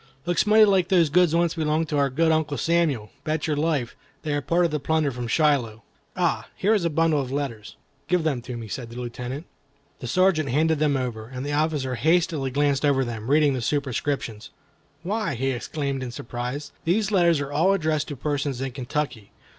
"Looks mighty like those goods once belonged to our good Uncle Samuel. Bet your life, they are a part of the plunder from Shiloh. Ah! here is a bundle of letters." "Give them to me," said the Lieutenant. The Sergeant handed them over, and the officer hastily glanced over them, reading the superscriptions. "Why," he exclaimed, in surprise, "these letters are all addressed to persons in Kentucky.